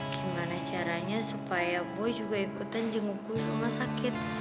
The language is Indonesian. gimana caranya supaya boy juga ikutan jemuknya rumah sakit